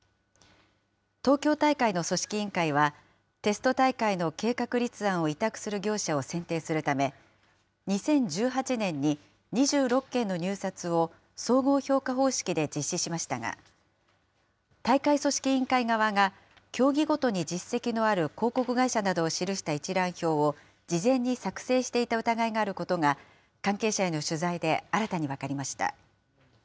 東京大会の組織委員会は、テスト大会の計画立案を委託する業者を選定するため、２０１８年に、２６件の入札を総合評価方式で実施しましたが、大会組織委員会側が競技ごとに実績のある広告会社などを記した一覧表を事前に作成していた疑いがあることが、関係者への取材で新たに分かりました。